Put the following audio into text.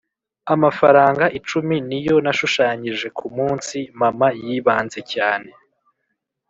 amafaranga icumi ni yo nashushanyije ku munsi. "mama yibanze cyane